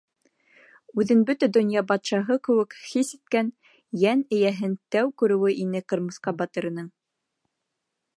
Үҙен бөтә донъя батшаһы кеүек хис иткән йән эйәһен тәү күреүе ине ҡырмыҫҡа батырының.